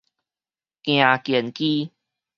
行健機